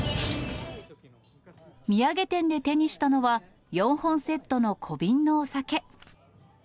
土産店で手にしたのは、４本セットの小瓶のお酒。